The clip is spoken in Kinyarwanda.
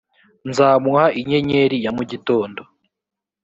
nzamuha inyenyeri ya mu gitondo